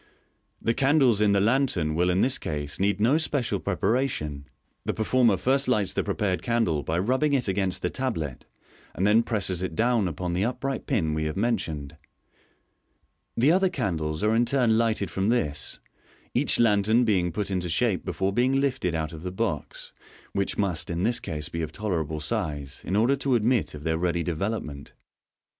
The candles in the lantern will in this case need no special preparation. The performer first lights the prepared candle by rubbing it against the tablet, and then presses it down upon the upright pin we have mentioned. The other candles are in turn lighted from this, each lantern being put into shape before being lifted out of the box, which must in this case be of tolerable size, in order to admit of their ready development. Fig. 231.